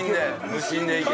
無心でいける。